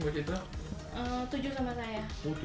berapa saudara sih mbak citra